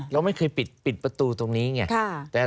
เราไม่เคยปิดประตูตรงนี้ไง